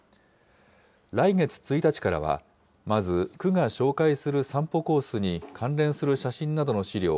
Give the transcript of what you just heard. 来月１日からは、まず、区が紹介する散歩コースに関連する写真などの資料